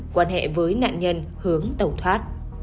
quan hệ với nạn nhân hướng tẩu thoát